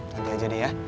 tadi aja deh ya